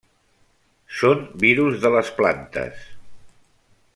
Són virus de les plantes.